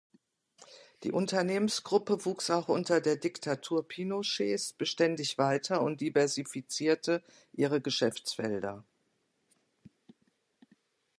Die Unternehmensgruppe wuchs auch unter der Diktatur Pinochets beständig weiter und diversifizierte ihre Geschäftsfelder.